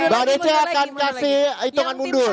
mbak desi akan kasih hitungan mundur